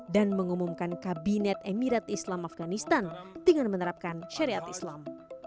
dan mengumumkan kabinet emirat islam afganistan dengan menerapkan syariat islam